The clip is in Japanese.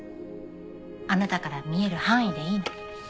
あなたから見える範囲でいいの。